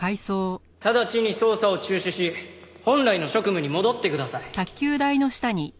直ちに捜査を中止し本来の職務に戻ってください。